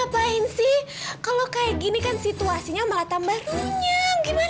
sampai jumpa di video selanjutnya